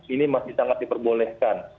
ini masih sangat diperbolehkan